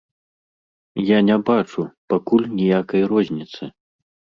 Я не бачу, пакуль ніякай розніцы!